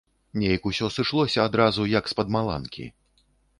Нейк усё сышлося адразу як з-пад маланкі.